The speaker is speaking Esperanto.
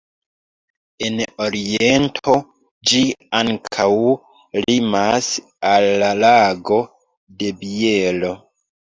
En oriento ĝi ankaŭ limas al la Lago de Bielo.